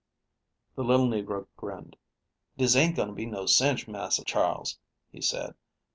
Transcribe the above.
The little negro grinned. "Dis ain't going to be no cinch, Massa Charles," he said.